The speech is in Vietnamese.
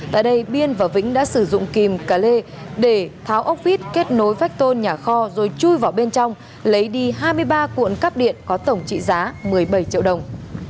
tại đây biên và vĩnh đã sử dụng kìm cá lê để tháo ốc vít kết nối vách tôn nhà kho rồi chui vào bên trong lấy đi hai mươi ba cuộn cắp điện có tổng trị giá một mươi bảy triệu đồng